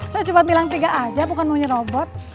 saya cuma bilang tiga aja bukan mau nyurobot